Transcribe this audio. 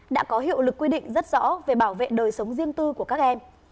đã có hiệu lực quy định rất rõ về bảo vệ đời sống riêng tư của các em